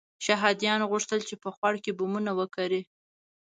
شهادیانو غوښتل چې په خوړ کې بمونه وکري.